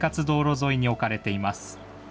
道路沿いに置かれています。